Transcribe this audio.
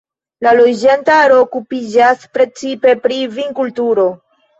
La loĝantaro okupiĝas precipe pri vinkulturo.